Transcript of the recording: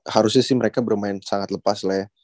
harusnya sih mereka bermain sangat lepas lah ya